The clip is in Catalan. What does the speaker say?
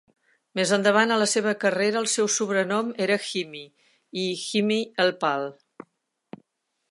Més endavant a la seva carrera, el seu sobrenom era "Hymie" i "Hymie el Pal".